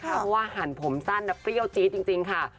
เพราะว่าหั่นผมสั้นเปรี้ยวจี๊ดจริงค่ะ